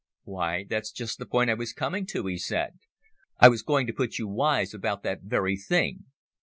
"Why, that's just the point I was coming to," he said. "I was going to put you wise about that very thing.